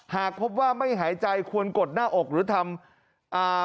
หากพบว่าไม่หายใจควรกดหน้าอกหรือทำอ่า